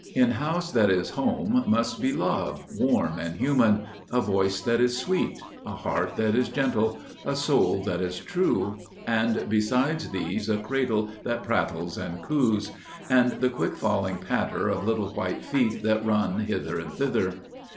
In house that is home must be love, warm and human, A voice that is sweet, a heart that is gentle, A soul that is true, and beside these a cradle That prattles and coos; and the quick falling patter Of little white feet that run hither and thither.